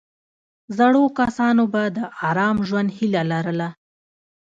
زړو کسانو به د آرام ژوند هیله لرله.